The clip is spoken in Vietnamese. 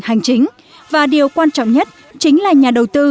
hành chính và điều quan trọng nhất chính là nhà đầu tư